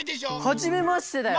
はじめましてだよ！